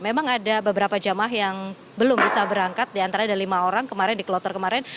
memang ada beberapa jamah yang belum bisa berangkat diantara ada lima orang kemarin di kloter kemarin